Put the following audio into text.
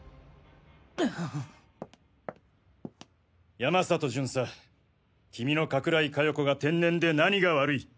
山里巡査君の加倉井加代子が天然で何が悪い？